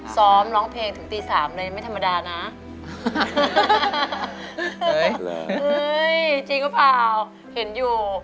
ซ้อมร้องเพลงถึงตีสามเลยไม่ธรรมดานะเฮ้ยจริงหรือเปล่าเห็นอยู่